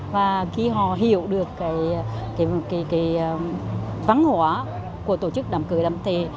và khi họ hiểu được cái vắng hóa của tổ chức đám cưới đám thề